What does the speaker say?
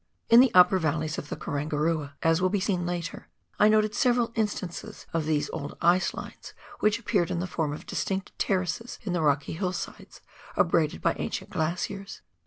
In the upper valleys of tlie Karangarua, as will be seen later, I noted several instances of these old ice lines which appeared in the form of distinct terraces in the rocky hillsides, abraded by ancient glaciers.